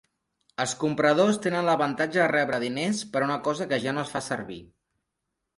Els compradors tenen l'avantatge de rebre diners per una cosa que ja no es fa servir.